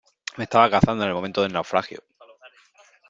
me estaba casando en el momento del naufragio .